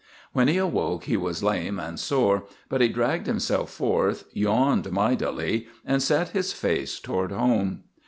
When he awoke he was lame and sore, but he dragged himself forth, yawned mightily, and set his face toward home.